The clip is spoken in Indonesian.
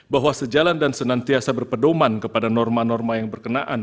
bahwa sejalan dan senantiasa berpedoman kepada norma norma yang berkenaan